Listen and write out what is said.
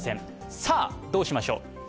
さぁ、どうしましょう。